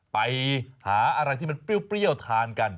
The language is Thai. ไปหาอะไรที่มันเปรี้ยวทานกัน